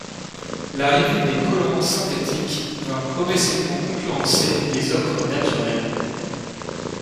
L'arrivée des colorants synthétiques vint progressivement concurrencer les ocres naturelles.